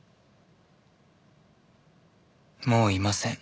もういません